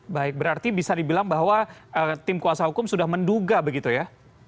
baik berarti bisa dibilang bahwa tim kuasa hukum sudah menduga begitu ya